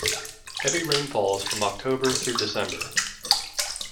Heavy rainfalls from October through December.